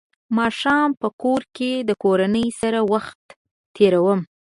ماښام په کور کې د کورنۍ سره وخت تېروم.